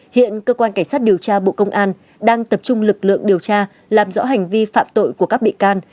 hiện cơ quan cảnh sát điều tra bộ công an đang tập trung lực lượng điều tra làm rõ hành vi phạm tội của các bị can